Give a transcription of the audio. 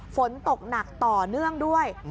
ฝนตกหนักต่อเนื่องด้วย